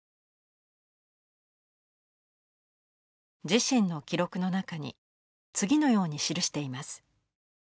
自身の記録の中に次のように記しています。